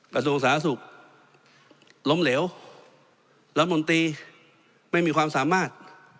กระทรวงสาธารณสุขล้มเหลวรัฐมนตรีไม่มีความสามารถ